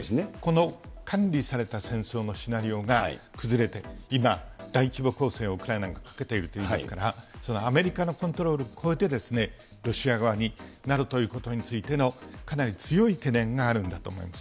この管理された戦争のシナリオが崩れて、今、大規模攻勢をウクライナがかけているといいますから、そのアメリカのコントロールを超えてロシア側になるということについてのかなり強い懸念があるんだと思います。